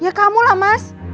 ya kamu lah mas